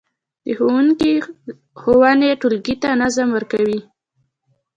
د ښوونکي ښوونې ټولګي ته نظم ورکوي.